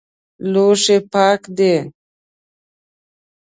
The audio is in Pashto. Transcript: لوښي پاک دي؟